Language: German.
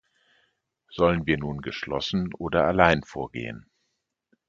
Sollen wir nun geschlossen oder allein vorgehen?